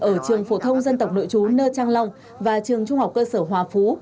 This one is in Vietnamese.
ở trường phổ thông dân tộc nội chú nơ trang long và trường trung học cơ sở hòa phú